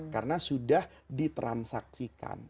karena sudah ditransaksikan